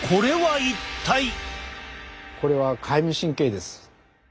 これはかゆみ神経です。